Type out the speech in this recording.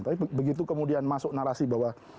tapi begitu kemudian masuk narasi bahwa